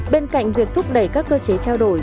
bên cạnh việc thúc đẩy các cơ chế trao đổi